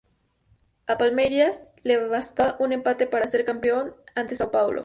A Palmeiras le bastaba un empate para ser campeón ante São Paulo.